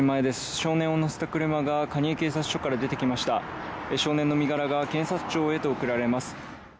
少年の身柄が検察庁へと送られます。